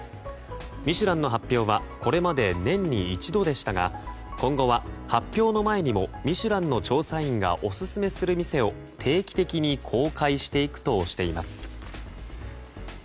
「ミシュラン」の発表はこれまで年に一度でしたが今後は、発表の前にも「ミシュラン」の調査員がオススメする店を定期的に公開していくといいます。